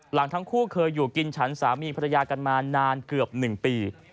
ทั้งคู่เคยอยู่กินฉันสามีภรรยากันมานานเกือบ๑ปี